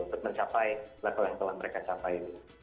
untuk mencapai level yang telah mereka capai